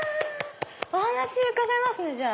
お話伺えますねじゃあ。